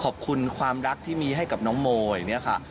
ขอบคุณความรักที่มีให้กับน้องโมอย่างนี้ค่ะ